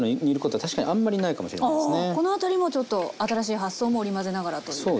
あこの辺りもちょっと新しい発想も織り交ぜながらという。